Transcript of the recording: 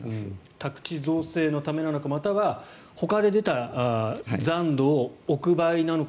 宅地造成のためなのかまたは、ほかで出た残土を置く場合なのか